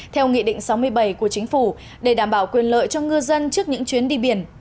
theo nghị định sáu mươi bảy của chính phủ để đảm bảo quyền lợi cho ngư dân trước những chuyến đi biển